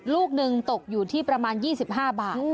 ลูกหนึ่งตกอยู่ที่ประมาณ๒๕บาท